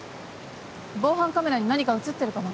防犯カメラに何か写ってるかも。